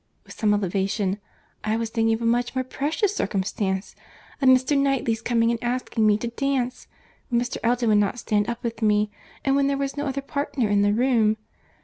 (with some elevation) I was thinking of a much more precious circumstance—of Mr. Knightley's coming and asking me to dance, when Mr. Elton would not stand up with me; and when there was no other partner in the room.